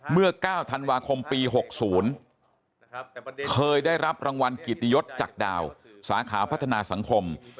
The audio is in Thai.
เมื่อ๙ธันวาคมปี๖๐เคยได้รับรางวัลกิตยศจากดาวสาขาพัฒนาสังคม